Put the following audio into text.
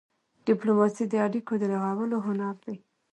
ډيپلوماسي د اړیکو د رغولو هنر دی.